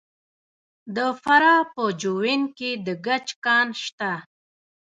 د فراه په جوین کې د ګچ کان شته.